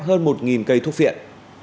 hơn một cây thuốc phiện